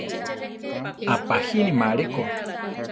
Apajínama aleko.